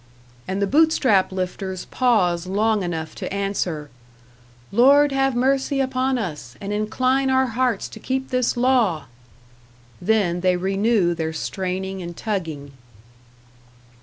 And the Bootstrap lifters pause long enough to answer: "Lord have mercy upon us, and incline our hearts to keep this law!" Then they renew their straining and tugging.